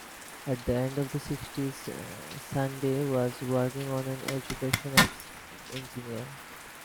At the end of the sixties Sunde was working on an education as engineer.